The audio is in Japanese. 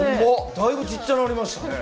だいぶちっちゃなりましたね。